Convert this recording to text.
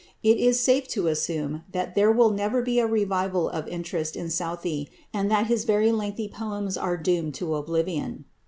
It is safe to assume that there will never be a revival of interest in Southey, and that his very lengthy poems are doomed to oblivion.